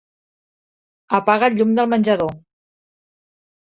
Apaga el llum del menjador.